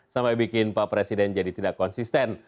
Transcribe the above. sampai bikin pak presiden jadi tidak konsisten